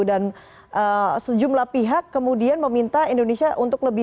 dan sejumlah pihak kemudian meminta indonesia untuk lebih